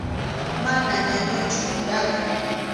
Mana ñañuchu, rakhun.